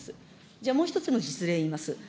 じゃあもう一つの実例言います。